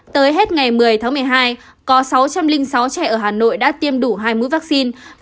tới hết ngày một mươi tháng một mươi hai có sáu trăm linh sáu trẻ ở hà nội đã tiêm đủ hai mũi vaccine